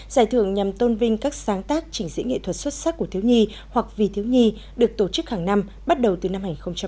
giải thưởng nhằm tôn vinh các sáng tác chỉnh diễn nghệ thuật xuất sắc của thiếu nhi hoặc vì thiếu nhi được tổ chức hàng năm bắt đầu từ năm hai nghìn một mươi chín